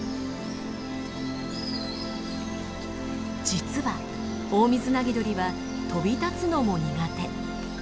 実はオオミズナギドリは飛び立つのも苦手。